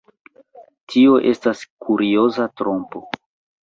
Tio estas kurioza trompo.